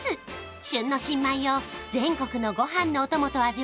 旬の新米を全国のご飯のお供と味わう